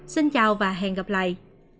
xin chào và hẹn gặp lại